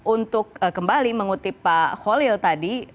untuk kembali mengutip pak holil tadi